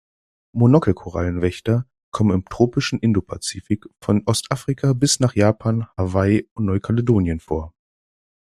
Monokel-Korallenwächter kommen im tropischen Indopazifik, von Ostafrika bis nach Japan, Hawaii und Neukaledonien vor.